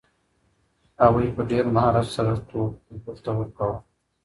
هغوی په ډېر مهارت سره توپ یو بل ته ورکاوه.